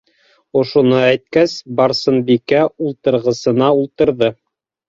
- Ошоно әйткәс, Барсынбикә ултырғысына ултырҙы.